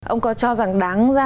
ông có cho rằng đáng ra